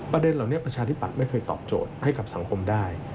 เหล่านี้ประชาธิบัตย์ไม่เคยตอบโจทย์ให้กับสังคมได้